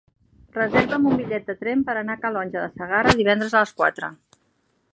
Reserva'm un bitllet de tren per anar a Calonge de Segarra divendres a les quatre.